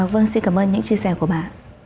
vâng xin cảm ơn những chia sẻ của bà